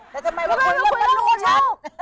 แล้วทำไมว่าคุณคุยเรื่องดวง